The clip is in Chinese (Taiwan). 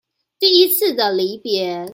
第一次的離別